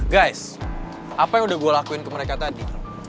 guys apa yang udah gue lakuin ke mereka tadi